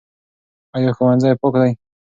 ایا ښوونځی پاک دی؟